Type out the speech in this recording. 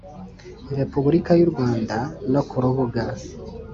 Repubulika y u Rwanda no ku rubuga